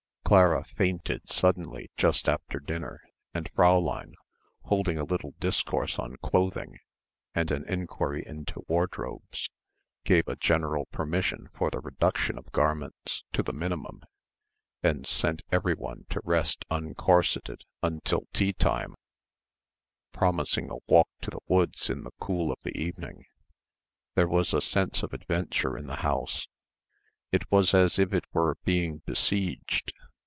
Clara fainted suddenly just after dinner, and Fräulein, holding a little discourse on clothing and an enquiry into wardrobes, gave a general permission for the reduction of garments to the minimum and sent everyone to rest uncorseted until tea time, promising a walk to the woods in the cool of the evening. There was a sense of adventure in the house. It was as if it were being besieged.